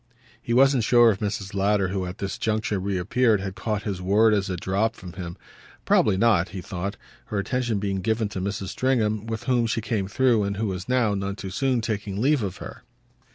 He wasn't sure if Mrs. Lowder, who at this juncture reappeared, had caught his word as it dropped from him; probably not, he thought, her attention being given to Mrs. Stringham, with whom she came through and who was now, none too soon, taking leave of her.